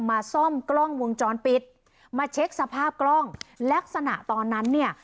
มาซ่อมกล้องวงจรปิดมาเช็คสภาพกล้องลักษณะตอนนั้นเนี่ย